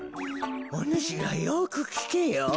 おぬしらよくきけよ。